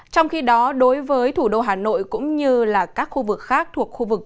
trong khi đó đối với thủ đô hà nội cũng như là các khu vực khác thuộc khu vực